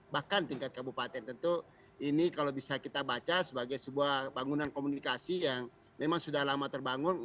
bahkan tingkat kabupaten tentu ini kalau bisa kita baca sebagai sebuah bangunan komunikasi yang memang sudah lama terbangun